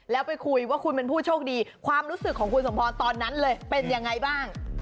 แล้วไปคุยว่าคุณเป็นผู้โชคดีความรู้สึกของคุณสมพรตอนนั้นเลยเป็นยังไงบ้าง